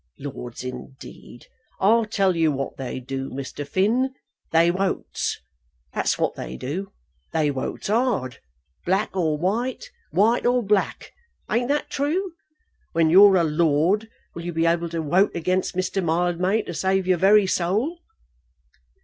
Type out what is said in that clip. Lords indeed! I'll tell you what they do, Mr. Finn. They wotes; that's what they do! They wotes hard; black or white, white or black. Ain't that true? When you're a 'lord,' will you be able to wote against Mr. Mildmay to save your very soul?"